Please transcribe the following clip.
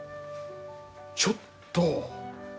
ちょっと！